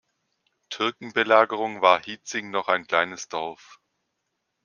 Türkenbelagerung war Hietzing noch ein kleines Dorf.